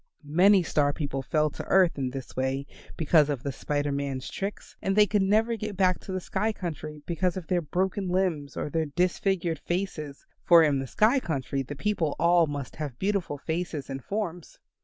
Many Star people fell to earth in this way because of the Spider Man's tricks, and they could never get back to the sky country because of their broken limbs or their disfigured faces, for in the sky country the people all must have beautiful faces and forms.